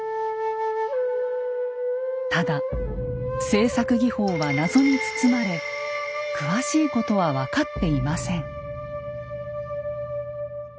ただ製作技法は謎に包まれ詳しいことは分かっていません。